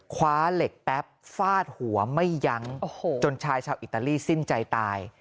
คว้าเหล็กแป๊บฟาดหัวไม่ยั้งจนชายชาวอิตาลีสิ้นใจตาย